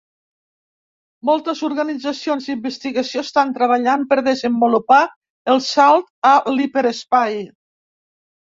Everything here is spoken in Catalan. Moltes organitzacions d'investigació estan treballant per desenvolupar el salt a l'hiperespai.